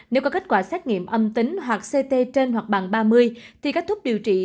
nếu có kết quả xét nghiệm âm tính hoặc ct trên hoặc bằng ba mươi thì kết thúc điều trị